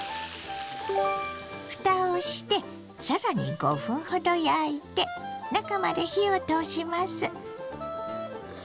ふたをしてさらに５分ほど焼いて中まで火を通します。